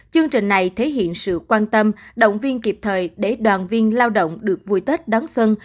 chương trình này thể hiện sự quan tâm động viên kịp thời để đoàn viên lao động được vui tết đón xuân